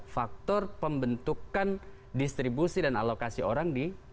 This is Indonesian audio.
faktor pembentukan distribusi dan alokasi orang di